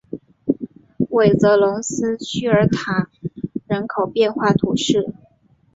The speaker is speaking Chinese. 韦泽龙斯屈尔坦人口变化图示